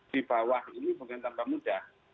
di bawah ini mungkin tambah mudah